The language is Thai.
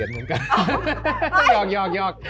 หยอก